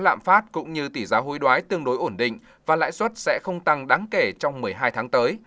lạm phát cũng như tỷ giá hối đoái tương đối ổn định và lãi suất sẽ không tăng đáng kể trong một mươi hai tháng tới